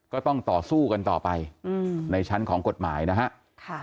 ก็ต้องต่อสู้กันต่อไปในชั้นของกฎหมายนะฮะ